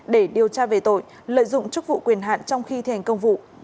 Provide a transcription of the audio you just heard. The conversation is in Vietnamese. để điều tra về tội lợi dụng chức vụ quyền hạn trong khi thành công vụ